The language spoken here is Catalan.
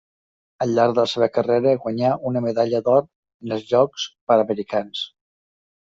Al llarg de la seva carrera guanyà una medalla d'or en els Jocs Panamericans.